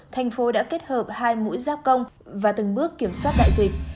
thành phố đã kết hợp hai mũi gia công và từng bước kiểm soát đại dịch